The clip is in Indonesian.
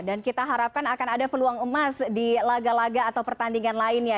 dan kita harapkan akan ada peluang emas di laga laga atau pertandingan lainnya